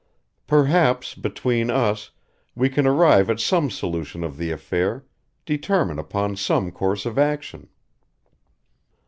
Perhaps, between us, we can arrive at some solution of the affair determine upon some course of action."